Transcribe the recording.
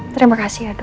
terima kasih ya dok